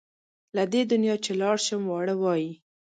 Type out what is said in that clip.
له دې دنیا چې لاړ شم واړه وايي.